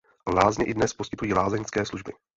Lázně i dnes poskytují lázeňské služby.